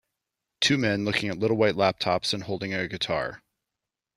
Two men looking at little white laptops and holding a guitar.